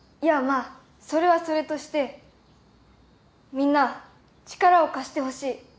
あそれはそれとしてみんな力を貸してほしい。